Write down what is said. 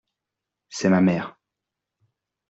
C’est ma mère.